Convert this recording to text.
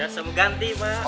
sem ganti bang